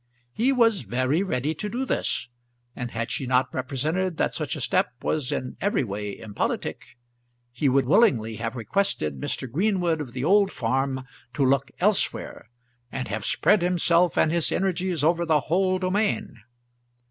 He was very ready to do this, and had she not represented that such a step was in every way impolitic, he would willingly have requested Mr. Greenwood of the Old Farm to look elsewhere, and have spread himself and his energies over the whole domain.